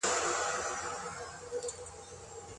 آيا د نفقې نه ورکول د تفريق سبب کېدلای سي؟